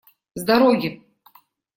С дороги!